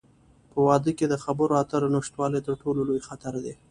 په واده کې د خبرو اترو نشتوالی، تر ټولو لوی خطر دی.